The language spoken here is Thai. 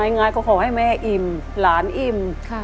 ง่ายก็ขอให้แม่อิ่มหลานอิ่ม